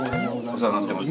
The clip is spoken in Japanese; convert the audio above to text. お世話になってます。